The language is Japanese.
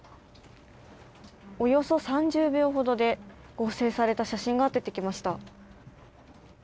およそ３０秒ほどで合成された写真が出てきました。